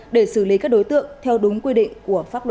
để xử lý các đối tượng theo đúng cách